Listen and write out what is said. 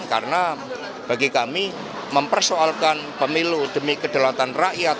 karena bagi kami mempersoalkan pemilu demi kedelatan rakyat